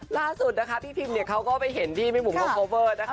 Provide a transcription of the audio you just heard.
ล่าสุดนะคะพี่พิมเขาก็ไปเห็นดีมี่หมุมกับโฟเวอร์นะคะ